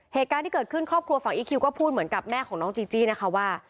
เหตุการณ์ที่เกิดขึ้นครอบครัวฝั่งอีคิวก็พูดเหมือนกับแม่ของน้องจีจี้นะคะว่า